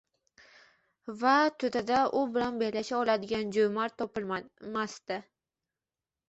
va To‘dada u bilan bellasha oladigan jo‘mard topilmasdi.